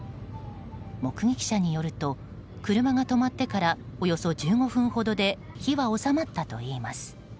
目撃者によると車が止まってからおよそ１５分ほどで火は収まったといいます。